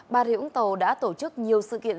bà rịu úng tàu đã tổ chức nhiều sự kiện